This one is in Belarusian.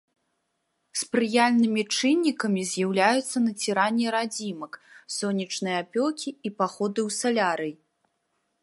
Спрыяльнымі чыннікамі з'яўляюцца націранне радзімак, сонечныя апёкі і паходы ў салярый.